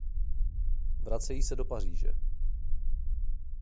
Vracejí se do Paříže.